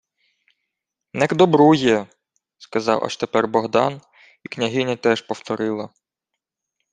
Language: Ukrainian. — Не к добру є, — сказав аж тепер Богдан, і княгиня теж повторила: